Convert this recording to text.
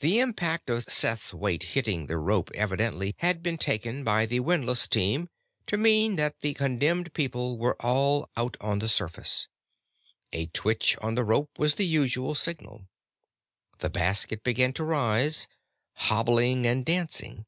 The impact of Seth's weight hitting the rope evidently had been taken by the windlass team to mean that the condemned people were all out on the surface; a twitch on the rope was the usual signal. The basket began to rise, hobbling and dancing.